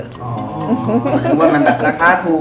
ลักษณ์ถูก